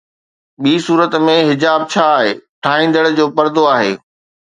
ٻي صورت ۾، حجاب ڇا آهي، ٺاهيندڙ جو پردو آهي